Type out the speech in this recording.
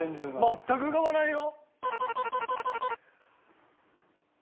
全く浮かばないよ。